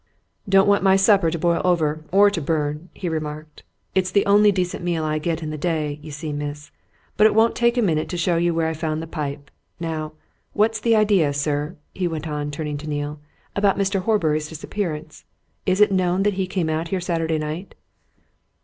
"Don't want my supper to boil over, or to burn," he remarked. "It's the only decent meal I get in the day, you see, miss. But it won't take a minute to show you where I found the pipe. Now what's the idea, sir," he went on, turning to Neale, "about Mr. Horbury's disappearance? Is it known that he came out here Saturday night?"